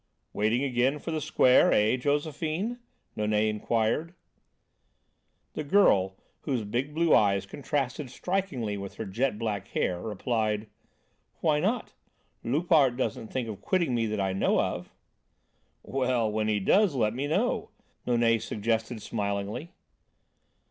"Waiting again for the Square, eh, Josephine?" Nonet inquired. The girl, whose big blue eyes contrasted strikingly with her jet black hair, replied: "Why not? Loupart doesn't think of quitting me that I know of." "Well, when he does let me know," Nonet suggested smilingly.